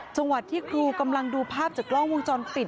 จังหวัดที่ครูกำลังดูภาพจากกล้องวงจรปิด